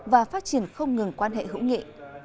và phát triển không ngừng quan hệ hữu nghị